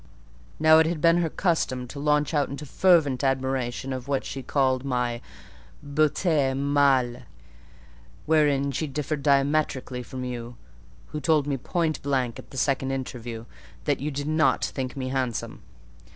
Now it had been her custom to launch out into fervent admiration of what she called my 'beauté mâle:' wherein she differed diametrically from you, who told me point blank, at the second interview, that you did not think me handsome.